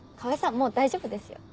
もう大丈夫ですよ。